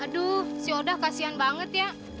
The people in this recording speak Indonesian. aduh si odah kasihan banget ya